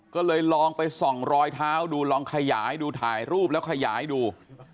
ก็เลยลองไปส่องรอยเท้าดูลองขยายดูถ่ายรูปแล้วขยายดู